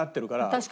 確かに。